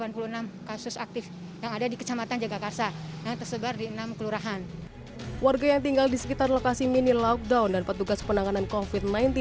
penangkan covid sembilan belas dalam kursi covid sembilan belas tersebut tidak hanya di kecamatan jagakarsa tetapi ada di kecamatan jogakarsa yang tersebar di enam kelurahan warga yang tinggal di sekitar lokasi mini lockdown dan petugas penanganan covid sembilan belas